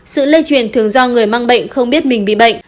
sự lây truyền thường do người mang bệnh không biết mình bị bệnh